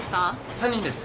３人です。